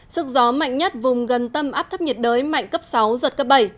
sức gió mạnh nhất vùng gần tâm áp thấp nhiệt đới mạnh cấp sáu giật cấp bảy